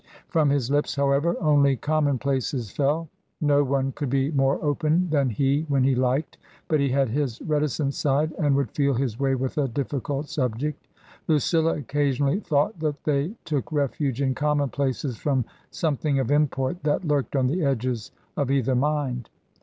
From his lips, however, only commonplaces fell. No one could be more open than he when he liked, but he had his reticent side and would feel his way with a difficult subject. Lucilla occasionally thought that they took refuge in commonplaces from something of import that lurked on the edges of either mind.